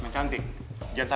jangan letak dirinya